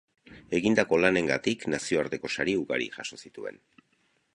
Egindako lanengatik nazioarteko sari ugari jaso zituen.